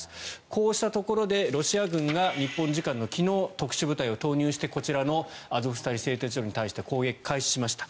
こうしたところでロシア軍が日本時間の昨日特殊部隊を投入してこちらのアゾフスタリ製鉄所に対して攻撃を開始しました。